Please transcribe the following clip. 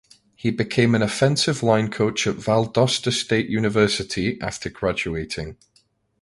He became an offensive line coach at Valdosta State University after graduating.